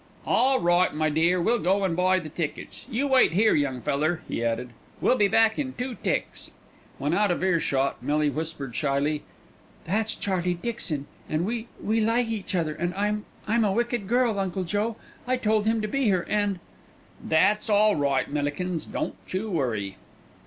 "All right, my dear, we'll go and buy the tickets. You wait here, young feller," he added. "We'll be back in two ticks." When out of earshot Millie whispered shyly, "That's Charlie Dixon, and we we like each other, and I'm I'm a wicked girl, Uncle Joe. I told him to be here and " "That's all right, Millikins, don't you worry."